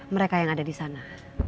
mereka yang ada di sana